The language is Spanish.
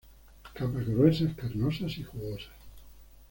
Capas gruesas, carnosas y jugosas.